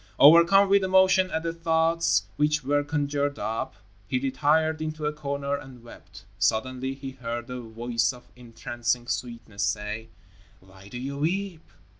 Overcome with emotion at the thoughts which were conjured up, he retired into a corner and wept. Suddenly he heard a voice of entrancing sweetness say, "Why do you weep?"